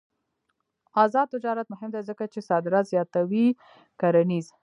آزاد تجارت مهم دی ځکه چې صادرات زیاتوي کرنيز.